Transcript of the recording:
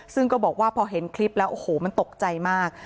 ซึ่งก็บอกว่าพอเห็นคลิปแล้วโอ้โหมันตกใจมาก